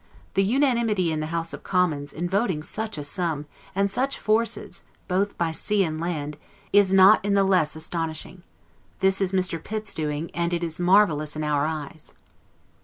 The unanimity in the House of Commons, in voting such a sum, and such forces, both by sea and land, is not the less astonishing. This is Mr. Pitt's doing, AND IT IS MARVELOUS IN OUR EYES.